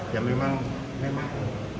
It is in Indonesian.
ya memang memang